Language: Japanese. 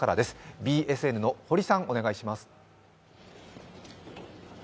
ＢＳＮの堀さん、お願いします。